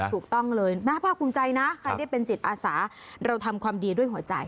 ถูกต้องเลยน่าภาคภูมิใจนะใครได้เป็นจิตอาสาเราทำความดีด้วยหัวใจ